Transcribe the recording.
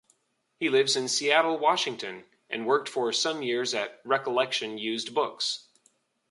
He lives in Seattle, Washington, and worked for some years at Recollection Used Books.